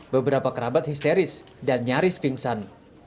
beberapa kerabat histeris dan nyaris pingsan